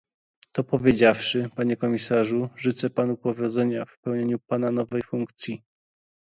To powiedziawszy, panie komisarzu, życzę panu powodzenia w pełnieniu pana nowej funkcji